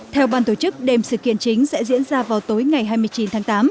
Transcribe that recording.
theo ban tổ chức đêm sự kiện chính sẽ diễn ra vào tối ngày hai mươi chín tháng tám